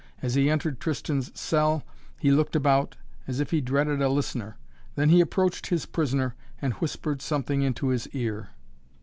As he entered Tristan's cell he looked about, as if he dreaded a listener, then he approached his prisoner and whispered something into his ear.